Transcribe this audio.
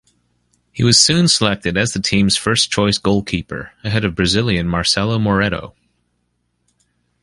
He was soon selected as the team's first-choice goalkeeper, ahead of Brazilian Marcelo Moretto.